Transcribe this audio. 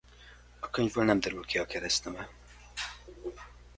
A könyvből nem derül ki a keresztneve.